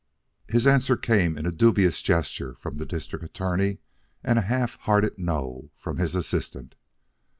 His answer came in a dubious gesture from the District Attorney and a half hearted "No" from his Assistant.